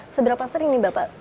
seberapa sering nih bapak